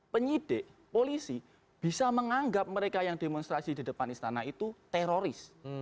penyidik polisi bisa menganggap mereka yang demonstrasi di depan istana itu teroris